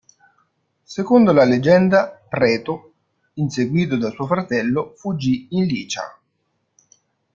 Secondo la leggenda, Preto, inseguito da suo fratello, fuggì in Licia.